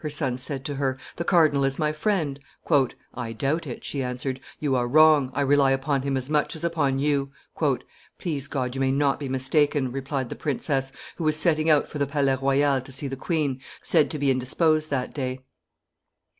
her son said to her; "the cardinal is my friend." "I doubt it," she answered. "You are wrong; I rely upon him as much as upon you." "Please God you may not be mistaken!" replied the princess, who was setting out for the Palais Royal to see the queen, said to be indisposed that day.